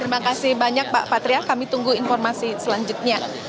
terima kasih banyak pak patria kami tunggu informasi selanjutnya